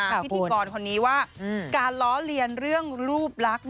พี่พิกรคนนี้ว่าการล้อเลียนเรื่องรูปรัก